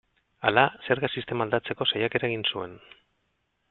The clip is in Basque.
Hala, zerga sistema aldatzeko saiakera egin zuen.